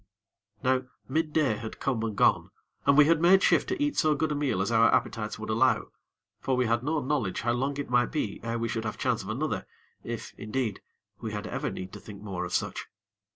Now midday had come and gone, and we had made shift to eat so good a meal as our appetites would allow; for we had no knowledge how long it might be ere we should have chance of another, if, indeed, we had ever need to think more of such.